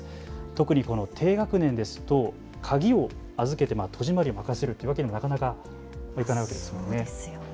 特に低学年ですと鍵を預けて戸締まりを任せるというわけにはなかなかいかないですよね。